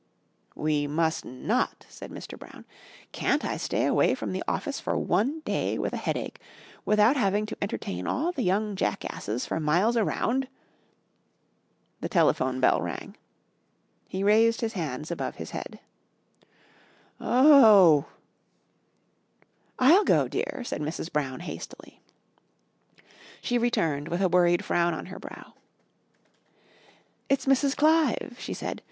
"We must not," said Mr. Brown. "Can't I stay away from the office for one day with a headache, without having to entertain all the young jackasses for miles around." The telephone bell rang. He raised his hands above his head. "Oh " "I'll go, dear," said Mrs. Brown hastily. She returned with a worried frown on her brow. "It's Mrs. Clive," she said.